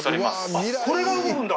あっこれが動くんだ。